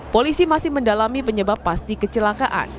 polisi masih mendalami penyebab pasti kecelakaan